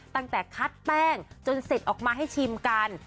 ตั้งแต่คัดแป้งจนเสร็จออกมาให้ชิมกัน